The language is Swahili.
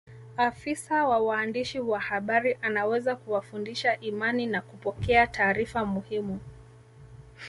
Afisa wa waandishi wa habari anaweza kuwafundisha imani na kupokea taarifa muhimu